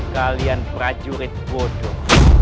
kalian prajurit bodoh